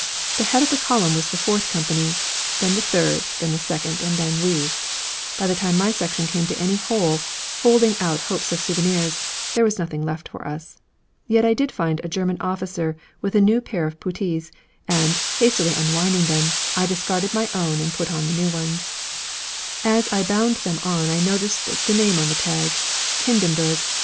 The head of the column was the fourth company, then the third, then the second, and then we. By the time my section came to any hole holding out hopes of souvenirs, there was nothing left for us. Yet I did find a German officer with a new pair of puttees, and, hastily unwinding them, I discarded my own and put on the new ones. As I bound them on I noticed the name on the tag 'Hindenburg.'